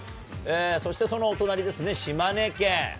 そしてそのお隣ですね、島根県。